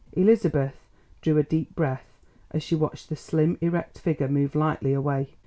Elizabeth drew a deep breath as she watched the slim, erect figure move lightly away.